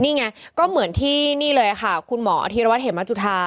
นี่ไงก็เหมือนที่นี่เลยค่ะคุณหมออธิรวัตเหมจุธา